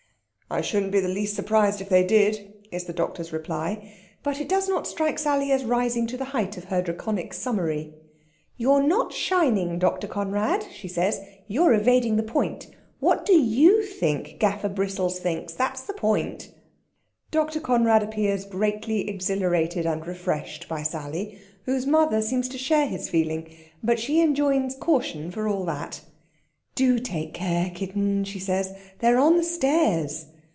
"I shouldn't be the least surprised if they did," is the doctor's reply. But it does not strike Sally as rising to the height of her Draconic summary. "You're not shining, Dr. Conrad," she says; "you're evading the point. What do you think Gaffer Bristles thinks, that's the point?" Dr. Conrad appears greatly exhilarated and refreshed by Sally, whose mother seems to share his feeling, but she enjoins caution, for all that. "Do take care, kitten," she says. "They're on the stairs."